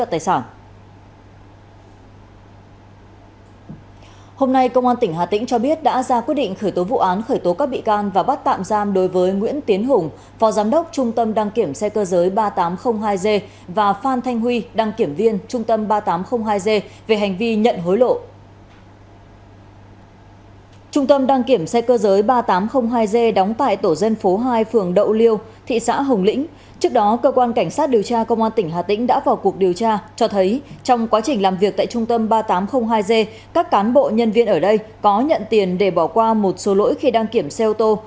trong quá trình làm việc tại trung tâm ba nghìn tám trăm linh hai g các cán bộ nhân viên ở đây có nhận tiền để bỏ qua một số lỗi khi đang kiểm xe ô tô